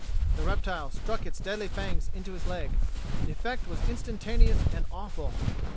The reptile struck its deadly fangs into his leg. The effect was instantaneous and awful.